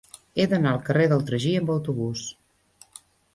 He d'anar al carrer del Tragí amb autobús.